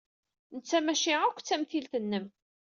Netta maci akk d tamtilt-nnem.